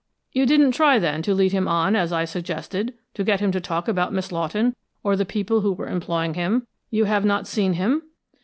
"You didn't try, then, to lead him on, as I suggested to get him to talk about Miss Lawton, or the people who were employing him? You have not seen him?"